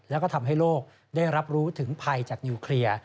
แล้วก็ทำให้โลกได้รับรู้ถึงภัยจากนิวเคลียร์